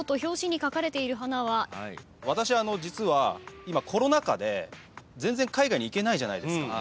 私実は今コロナ禍で全然海外に行けないじゃないですか。